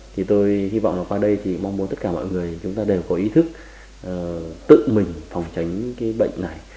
thì tôi hy vọng là qua đây thì mong muốn tất cả mọi người chúng ta đều có ý thức tự mình phòng tránh cái bệnh này